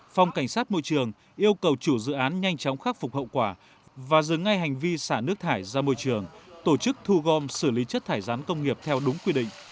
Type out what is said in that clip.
phòng cảnh sát môi trường yêu cầu chủ dự án nhanh chóng khắc phục hậu quả và dừng ngay hành vi xả nước thải ra môi trường tổ chức thu gom xử lý chất thải rán công nghiệp theo đúng quy định